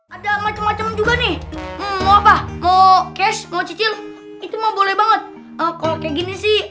ada macam macam juga nih mau apa mau cash mau cicil itu mau boleh banget kalau kayak gini sih